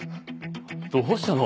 どうしたの？